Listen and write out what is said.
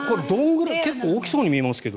結構、大きそうに見えますけど。